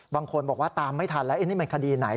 บางคนบอกว่าตามไม่ทันแล้วนี่มันคดีไหน